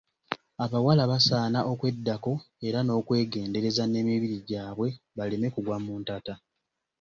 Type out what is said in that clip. Abawala basaana okweddako era n'okwegendereza n'emibiri gyabwe baleme kugwa mu ntata.